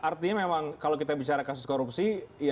artinya memang kalau kita bicara kasus korupsi